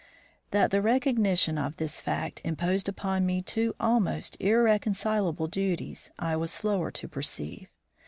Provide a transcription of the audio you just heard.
That the recognition of this fact imposed upon me two almost irreconcilable duties I was slower to perceive.